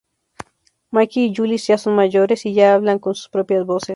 Mickey y Julie ya son mayores, y ya hablan con sus propias voces.